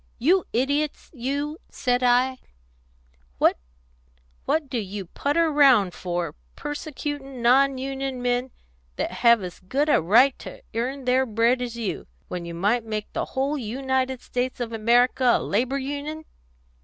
You idiots, you,' said I, 'what do you putter round for, persecuting non union men, that have as good a right to earn their bread as you, when you might make the whole United States of America a Labour Union?'